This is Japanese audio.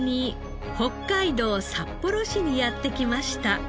北海道札幌市にやって来ました。